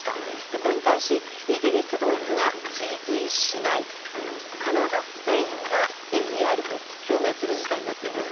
これに対しイギリス、ドイツが追随しないカナダ、スペインが意義ありと表明する事態になっています。